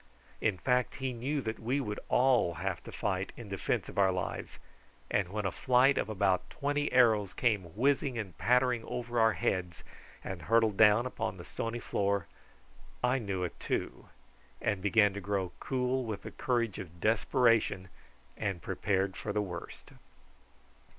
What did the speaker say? In fact he knew that we would all have to fight in defence of our lives, and when a flight of about twenty arrows came whizzing and pattering over our heads and hurtled down upon the stony floor, I knew it too, and began to grow cool with the courage of desperation and prepared for the worst.